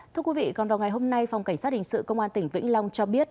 thưa quý vị còn vào ngày hôm nay phòng cảnh sát hình sự công an tỉnh vĩnh long cho biết